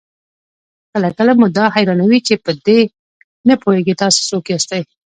کله کله مو دا حيرانوي چې په دې نه پوهېږئ تاسې څوک ياستئ؟